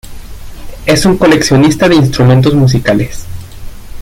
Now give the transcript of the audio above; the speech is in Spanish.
Es un coleccionista de instrumentos musicales.